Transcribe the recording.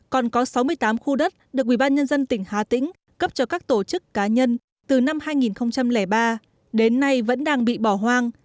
còn có sáu mươi tám khu đất được ủy ban nhân dân tỉnh hà tĩnh cấp cho các tổ chức cá nhân từ năm hai nghìn ba đến nay vẫn đang bị bỏ hoang